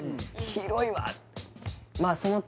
広いわ！